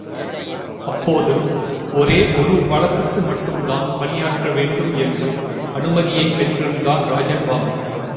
அப்போது, ஒரே ஒரு வழக்குக்கு மட்டும் தான் பணியாற்ற வேண்டும் என்று அனுமதியைப் பெற்றிருந்தார் ராஜன் பாபு!